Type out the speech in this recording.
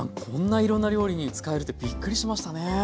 こんないろんな料理に使えるってびっくりしましたね。